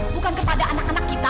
bukan kepada anak anak kita